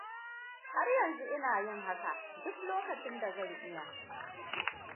Har yanzu ina yin haka duk lokacin da zan iya.